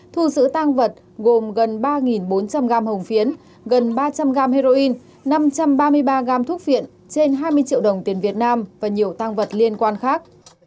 thu giữ tăng vật gồm gần ba bốn trăm linh gram hồng phiến gần ba trăm linh g heroin năm trăm ba mươi ba gam thuốc viện trên hai mươi triệu đồng tiền việt nam và nhiều tăng vật liên quan khác